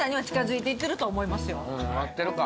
なってるか。